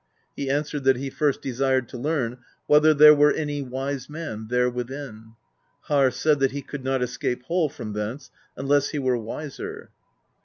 He answered that he first desired to learn whether there were any wise man there within. Harr said, that he should not escape whole from thence unless he were wiser.